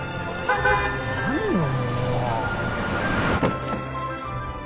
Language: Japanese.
何よ